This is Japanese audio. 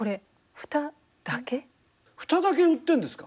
フタだけ売ってるんですか？